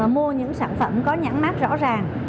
mua những sản phẩm có nhãn mát rõ ràng